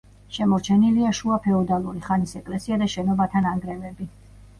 შემორჩენილია შუა ფეოდალური ხანის ეკლესია და შენობათა ნანგრევები.